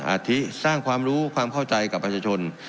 อาทิสร้างความรู้ความเข้าใจกับประชาชน